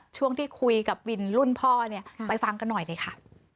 ช่วงที่คุยกับวินรุ่นพ่อเนี่ยไปฟังกันหน่อยเลยค่ะ